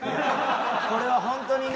これはホントにね